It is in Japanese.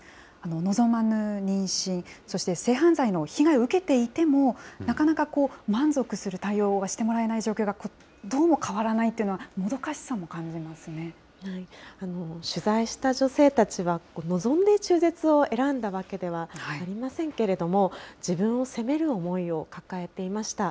望まぬ妊娠、そして性犯罪の被害を受けていても、なかなか満足する対応をしてもらえない状況がどうも変わらないというのは、もど取材した女性たちは、望んで中絶を選んだわけではありませんけれども、自分を責める思いを抱えていました。